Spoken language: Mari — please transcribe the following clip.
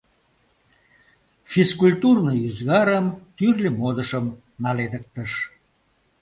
Физкультурный ӱзгарым, тӱрлӧ модышым наледыктыш.